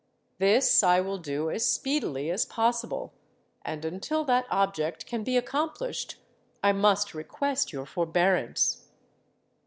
This I will do as speedily as possible; and until that object can be accomplished, I must request your forbearance.'